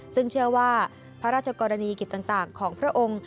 ซึ่งเชื่อว่าพระราชกรณีกิจต่างของพระองค์